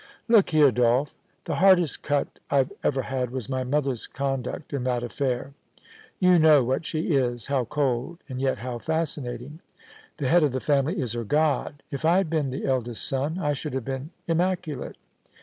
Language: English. *Look here, Dolph; the hardest cut I've ever had was my mother's conduct in that affair. You know what she is — how cold, and yet how fascinating. The head of the family is her god ; if I had been the eldest son I should have been im maculate.